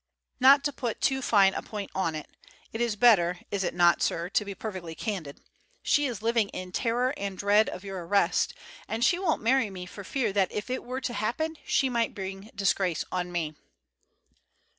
Not to put too fine a point on it—it is better, is it not, sir, to be perfectly candid—she is living in terror and dread of your arrest, and she won't marry me for fear that if it were to happen she might bring disgrace on me."